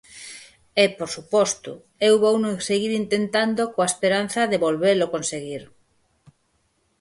E, por suposto, eu vouno seguir intentando coa esperanza de volvelo conseguir.